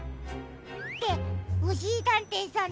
っておしりたんていさん